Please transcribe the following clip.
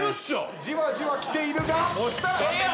じわじわきているが残念！